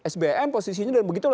sbn posisinya dan begitu